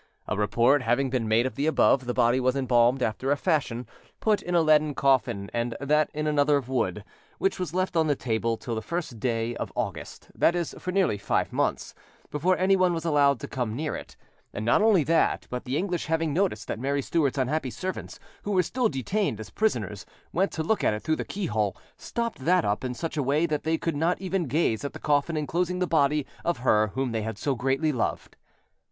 A report having been made of the above, the body was embalmed after a fashion, put in a leaden coffin and that in another of wood, which was left on the table till the first day of August—that is, for nearly five months—before anyone was allowed to come near it; and not only that, but the English having noticed that Mary Stuart's unhappy servants, who were still detained as prisoners, went to look at it through the keyhole, stopped that up in such a way that they could not even gaze at the coffin enclosing the body of her whom they had so greatly loved.